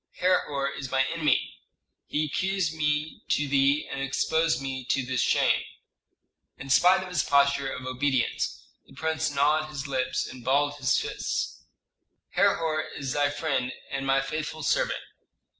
Herhor is my enemy. He accused me to thee and exposed me to this shame!" In spite of his posture of obedience the prince gnawed his lips and balled his fists. "Herhor is thy friend and my faithful servant.